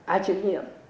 ái trực nhiệm